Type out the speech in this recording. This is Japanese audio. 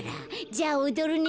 じゃあおどるね。